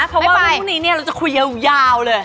เพราะว่าพรุ่งนี้เนี่ยเราจะคุยยาวเลย